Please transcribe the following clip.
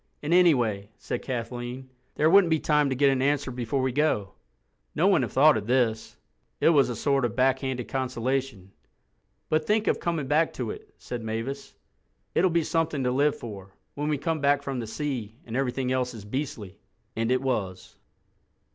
"And, anyway," said Kathleen, "there wouldn't be time to get an answer before we go." No one had thought of this. It was a sort of backhanded consolation. "But think of coming back to it," said Mavis: "it'll be something to live for, when we come back from the sea and everything else is beastly." And it was.